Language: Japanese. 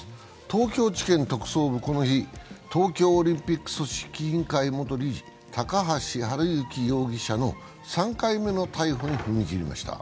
東京地検特捜部、この日、東京オリンピック組織委員会元理事、高橋治之容疑者の３回目の逮捕に踏み切りました。